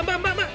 mbak mbak mbak